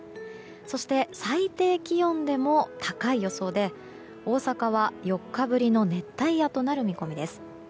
そして、最低気温でも高い予想で大阪は４日ぶりの熱帯夜となる見込みです。